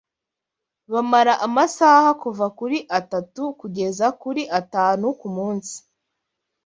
bamara amasaha kuva kuri atatu kugeza kuri atanu ku munsi